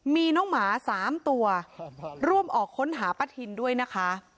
มีน้องหมา๓ตัวร่วมออกค้นหาป้าทินด้วยนะคะ